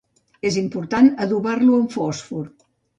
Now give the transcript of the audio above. És important adobar-lo amb fòsfor.